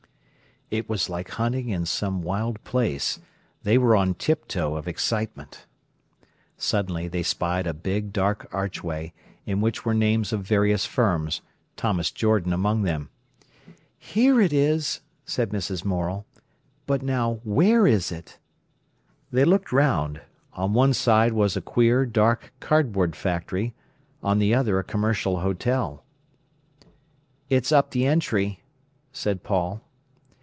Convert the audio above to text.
It was like hunting in some wild place. They were on tiptoe of excitement. Suddenly they spied a big, dark archway, in which were names of various firms, Thomas Jordan among them. "Here it is!" said Mrs. Morel. "But now where is it?" They looked round. On one side was a queer, dark, cardboard factory, on the other a Commercial Hotel. "It's up the entry," said Paul.